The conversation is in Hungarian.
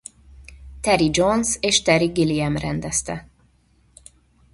Terry Jones és Terry Gilliam rendezte.